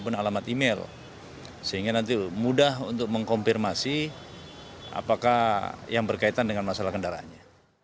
kita juga mengirim email sehingga nanti mudah untuk mengkompirmasi apakah yang berkaitan dengan masalah kendaraannya